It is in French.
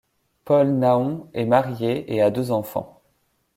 Paul Nahon est marié et a deux enfants.